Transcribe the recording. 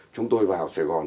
chúng tôi vào sài gòn